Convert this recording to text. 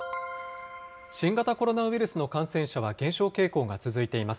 新型コロナウイルスの感染者は減少傾向が続いています。